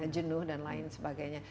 jenuh dan lain sebagainya